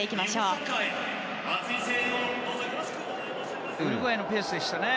前半はウルグアイのペースでしたね。